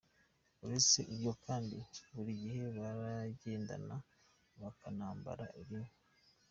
Uretse ibyo kandi, buri gihe baranagendana bakanambara bimwe.